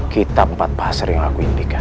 kitab empat pasar yang aku impikan